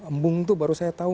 embung itu baru saya tahu